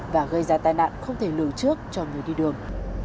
và gây ra tai nạn không thể lường trước cho người đi đường